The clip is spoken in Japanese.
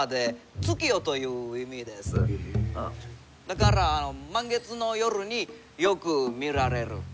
だから満月の夜によく見られる。